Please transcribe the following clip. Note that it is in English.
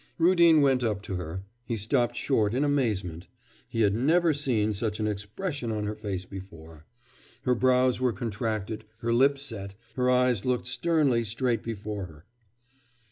Rudin went up to her; he stopped short in amazement. He had never seen such an expression on her face before. Her brows were contracted, her lips set, her eyes looked sternly straight before her.